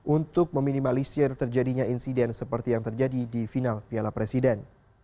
untuk meminimalisir terjadinya insiden seperti yang terjadi di final piala presiden